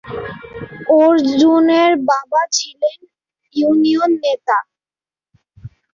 অর্জুনের বাবা ছিলেন ইউনিয়ন নেতা।